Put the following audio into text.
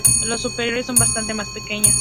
Las superiores son bastante más pequeñas.